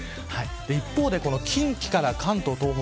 一方、近畿から関東、東北